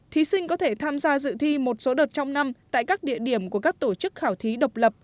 thí sinh có thể tham gia dự thi một số đợt trong năm tại các địa điểm của các tổ chức khảo thí độc lập